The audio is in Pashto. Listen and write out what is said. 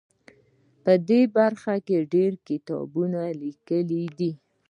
ده په دې برخه کې ډیر کتابونه لیکلي دي.